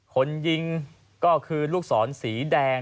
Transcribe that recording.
คนที่ได้ยิงหรือลูกศรสีแดง